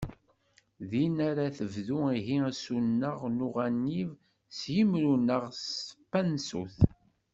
Din ara tebdu ihi asuneɣ s uɣanib, s yimru neɣ s tpansut.